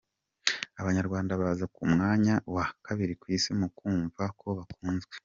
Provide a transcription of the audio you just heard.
Abanyarwanda baza ku mwanya wa kabiri ku isi mu kumva ko bakunzwe